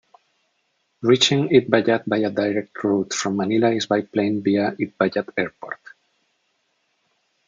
Reaching Itbayat by a direct route from Manila is by plane via Itbayat Airport.